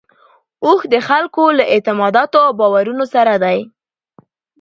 اوښ د خلکو له اعتقاداتو او باورونو سره دی.